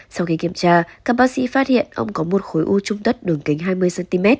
sau khi kiểm tra các bác sĩ phát hiện ông có một khối u trung tất đường kính hai mươi cm